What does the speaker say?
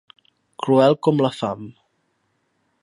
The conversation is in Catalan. Cruel com la fam.